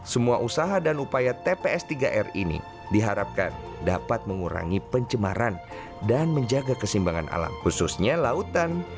semua usaha dan upaya tps tiga r ini diharapkan dapat mengurangi pencemaran dan menjaga kesimbangan alam khususnya lautan